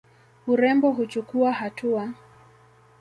Urembo huchukuwa hatua.